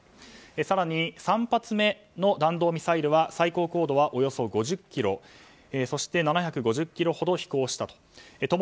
更に３発目の弾道ミサイルは最高高度はおよそ５０ｋｍ、そして７５０ｋｍほど飛行したと。